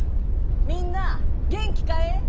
みんなあ元気かえ？